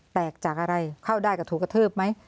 แตกจากอะไรเข้าได้กับถูกกระทืบไหม